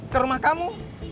ke rumah kamu